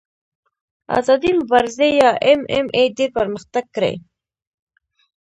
آزادې مبارزې یا ایم ایم اې ډېر پرمختګ کړی.